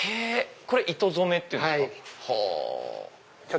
これ糸染めっていうんですか。